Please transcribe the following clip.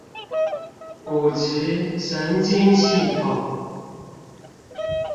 骨質、神經系統